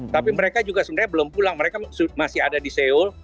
tapi mereka juga sebenarnya belum pulang mereka masih ada di seoul